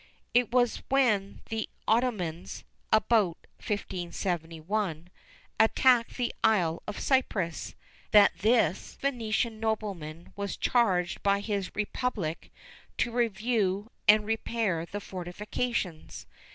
It was when the Ottomans (about 1571) attacked the Isle of Cyprus, that this Venetian nobleman was charged by his republic to review and repair the fortifications.